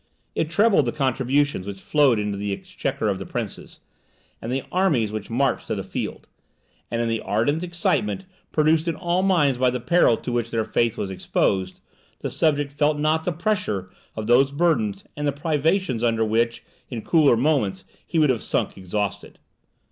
It trebled the contributions which flowed into the exchequer of the princes, and the armies which marched to the field; and, in the ardent excitement produced in all minds by the peril to which their faith was exposed, the subject felt not the pressure of those burdens and privations under which, in cooler moments, he would have sunk exhausted.